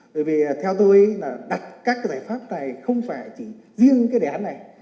bởi vì theo tôi là đặt các cái giải pháp này không phải chỉ riêng cái đề án này